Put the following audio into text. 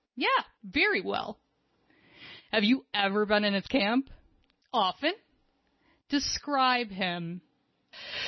"Yes, very well." "Have you ever been in his camp?" "Often." "Describe him."